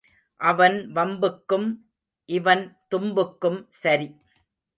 அவன் வம்புக்கும் இவன் தும்புக்கும் சரி.